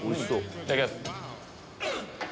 いただきます。